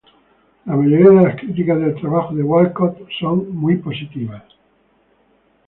La mayoría de las críticas del trabajo de Walcott son muy positivas.